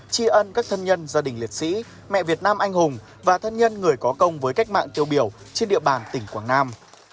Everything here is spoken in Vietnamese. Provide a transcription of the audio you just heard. tri ân các thân nhân gia đình liệt sĩ mẹ việt nam anh hùng và thân nhân người có công với cách mạng tiêu biểu trên địa bàn tỉnh quảng nam